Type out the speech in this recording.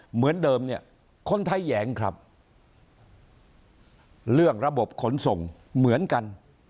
เหมือนเดิมเนี่ยคนไทยแหยงครับเรื่องระบบขนส่งเหมือนกัน